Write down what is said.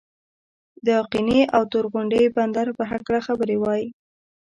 د آقینې او تور غونډۍ بندر په هکله خبرې وای.